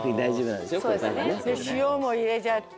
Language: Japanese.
塩も入れちゃって。